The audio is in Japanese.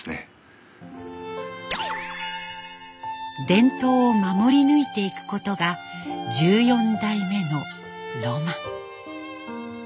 伝統を守り抜いていくことが１４代目のロマン。